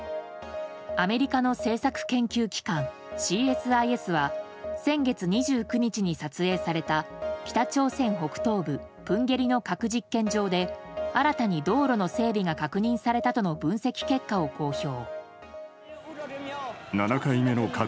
アメリカの政策研究機関ＣＳＩＳは先月２９日に撮影された北朝鮮北東部プンゲリの核実験場で新たに道路の整備が確認されたとの分析結果を公表。